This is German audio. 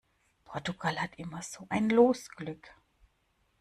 Portugal hat immer so ein Losglück!